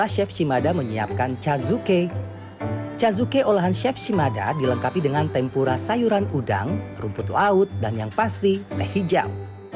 sayuran udang rumput laut dan yang pasti teh hijau